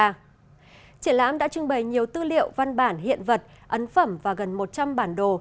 triển lãm đã trưng bày nhiều tư liệu văn bản hiện vật ấn phẩm và gần một trăm linh bản đồ